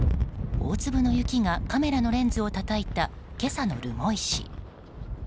大粒の雪がカメラのレンズをたたいた今朝の留萌市。